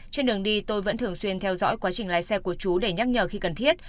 trên đường đi tôi vẫn thường xuyên theo dõi quá trình lái xe của chú để nhắc nhở khi cần thiết